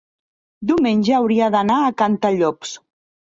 diumenge hauria d'anar a Cantallops.